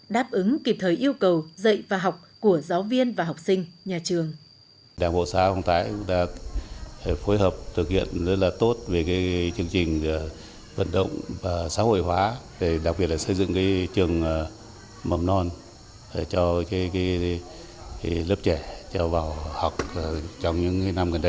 đáp ứng kịp thời yêu cầu dạy và học của giáo viên và học sinh nhà trường